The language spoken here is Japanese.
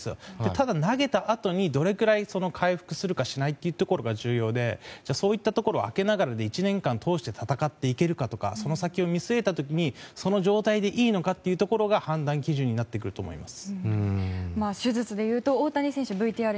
ただ、投げたあとにどれくらい回復するかが重要でそういったところ空けながら１年間通して戦っていけるかと見通した時にその状態でいいのかというとこが判断基準になってくと思います。